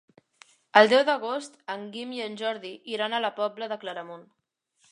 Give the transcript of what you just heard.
El deu d'agost en Guim i en Jordi iran a la Pobla de Claramunt.